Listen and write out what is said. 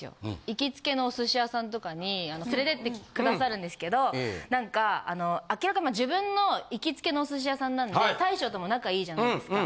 行きつけのお寿司屋さんとかに連れてって下さるんですけどなんか明らか自分の行きつけのお寿司屋さんなんで大将とも仲良いじゃないですか。